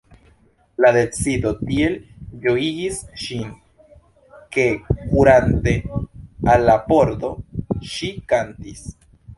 La decido tiel ĝojigis ŝin; ke kurante al la pordo, ŝi kantis: